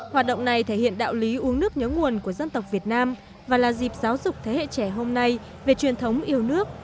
hoạt động này thể hiện đạo lý uống nước nhớ nguồn của dân tộc việt nam và là dịp giáo dục thế hệ trẻ hôm nay về truyền thống yêu nước